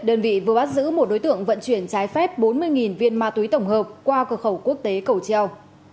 đơn vị vừa bắt giữ một đối tượng vận chuyển trái phép bốn mươi viên ma túy tổng hợp qua cửa khẩu quốc tế cầu treo